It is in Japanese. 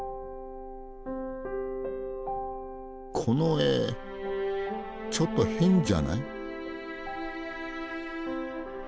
この絵ちょっと変じゃない？